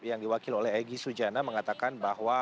yang diwakil oleh egy sujana mengatakan bahwa